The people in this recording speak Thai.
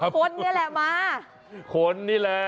คนนี่แหละมาคนนี่แหละ